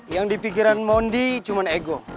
yang dipikiran mondi cuma ego